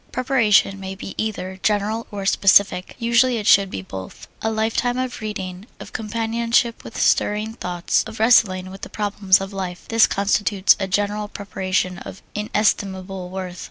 Preparation may be either general or specific; usually it should be both. A life time of reading, of companionship with stirring thoughts, of wrestling with the problems of life this constitutes a general preparation of inestimable worth.